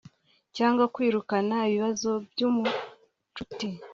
cyangwa kwirukana ibibazo mubucuti